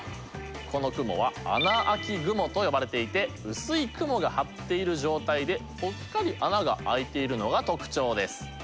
この雲は穴あき雲と呼ばれていて薄い雲が張っている状態でぽっかり穴が開いているのが特徴です。